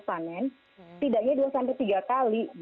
tidaknya dua tiga kali